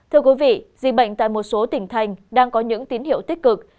thưa quý vị dịch bệnh tại một số tỉnh thành đang có những tín hiệu tích cực